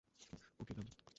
ওকে - গাম?